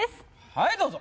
はいどうぞ。